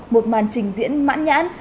một màn trình diễn mãn nhãn